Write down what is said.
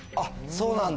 そうなんだ。